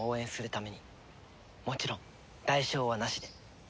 もちろん代償はなしで。